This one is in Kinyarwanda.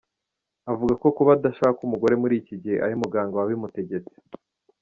Avuga ko kuba adashaka umugore muri iki gihe ari muganga wabimutegetse.